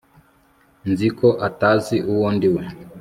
Nzi ko atazi uwo ndiwe